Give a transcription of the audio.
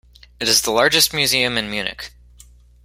It is the largest museum in Munich.